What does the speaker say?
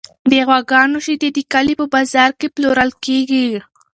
د غواګانو شیدې د کلي په بازار کې پلورل کیږي.